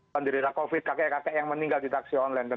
penderita covid kakek kakek yang meninggal di taksi online